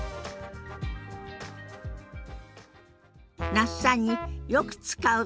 那須さんによく使う接客